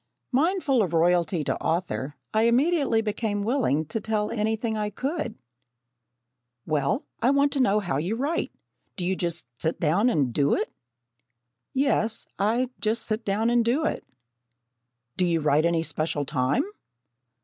Mindful of "royalty to author," I immediately became willing to tell anything I could. "Well, I want to know how you write. Do you just sit down and do it?" "Yes, I just sit down and do it." "Do you write any special time?"